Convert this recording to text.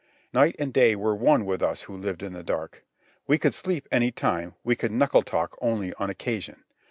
Night and day were one with us who lived in the dark. We could sleep any time, we could knuckle talk only on occasion.